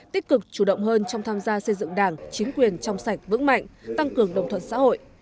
tích cực chủ động hơn trong tham gia xây dựng đảng chính quyền trong sạch vững mạnh tăng cường đồng thuận xã hội